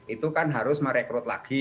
itu kan harus merekrut lagi